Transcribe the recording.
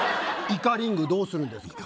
イカリングどうするんですか？